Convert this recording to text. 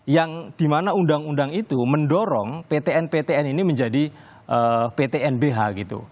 yang dimana undang undang itu mendorong ptn ptn ini menjadi pt nbh gitu